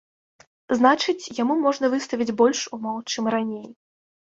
Значыць, яму можна выставіць больш умоў, чым раней.